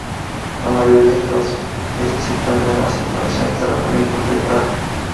La mayoría de las veces se encuentra en instalaciones de alojamiento temporal.